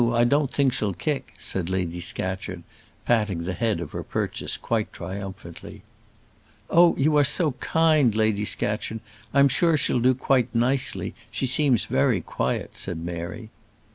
I don't think she'll kick," said Lady Scatcherd, patting the head of her purchase quite triumphantly. "Oh, you are so kind, Lady Scatcherd. I'm sure she'll do quite nicely; she seems very quiet," said Mary.